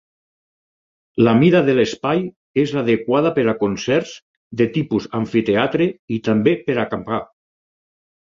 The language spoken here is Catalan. La mida de l'espai és adequada per a concerts de tipus amfiteatre i també per acampar.